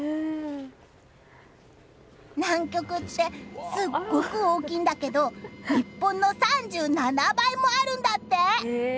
南極って、すごく大きいんだけど日本の３７倍もあるんだって。